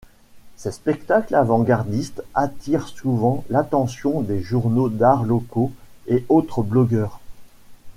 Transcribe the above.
Ces spectacles avant-gardistes attirent souvent l'attention des journaux d'arts locaux et autres blogueurs.